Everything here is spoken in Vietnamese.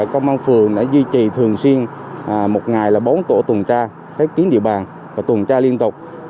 công an phường đã duy trì thường xuyên một ngày là bốn tổ tùn tra khép kiến địa bàn và tùn tra liên tục